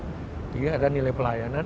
jadi ada nilai pelayanan